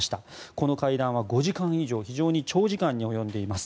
この会談は５時間以上非常に長時間に及んでいます。